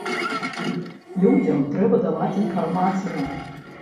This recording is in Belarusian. Людзям трэба даваць інфармацыю!